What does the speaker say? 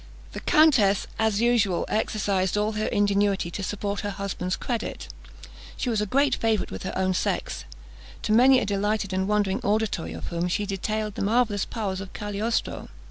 The countess, as usual, exercised all her ingenuity to support her husband's credit. She was a great favourite with her own sex, to many a delighted and wondering auditory of whom she detailed the marvellous powers of Cagliostro.